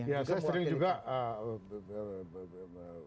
ya saya sering juga